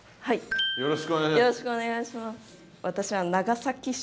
よろしくお願いします。